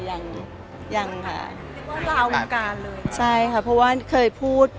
ยังยังค่ะเอาวงการเลยใช่ค่ะเพราะว่าเคยพูด